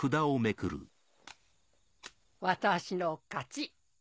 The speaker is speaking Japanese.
私の勝ち。